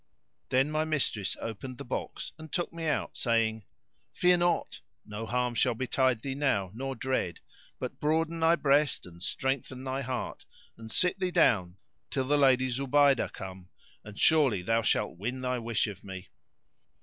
[FN#566] Then my mistress opened the box and took me out, saying, "Fear not: no harm shall betide thee now nor dread; but broaden thy breast and strengthen thy heart and sit thee down till the Lady Zubaydah come, and surely thou shalt win thy wish of me."